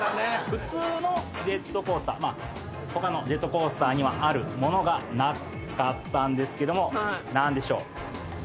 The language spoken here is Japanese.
普通のジェットコースター他のジェットコースターにはあるものがなかったんですけども何でしょう？